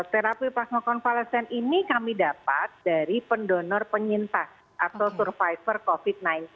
terapi plasma konvalesen ini kami dapat dari pendonor penyintas atau survivor covid sembilan belas